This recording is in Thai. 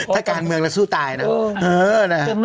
ถ้าการเมืองแล้วสู้ตายเนอะ